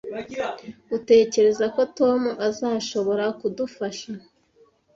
Utekereza ko Tom azashobora kudufasha?